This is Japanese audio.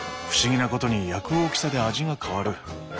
不思議なことに焼く大きさで味が変わる。